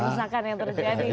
kebesarkan yang terjadi